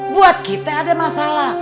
buat kita ada masalah